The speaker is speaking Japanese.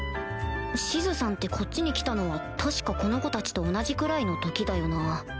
シズさんってこっちに来たのは確かこの子たちと同じくらいの時だよな